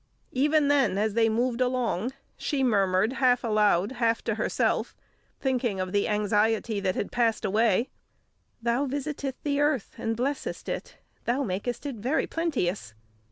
Even then, as they moved along, she murmured half aloud, half to herself, thinking of the anxiety that had passed away: "Thou visitest the earth, and blessest it; thou makest it very plenteous."